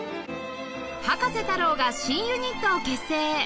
葉加瀬太郎が新ユニットを結成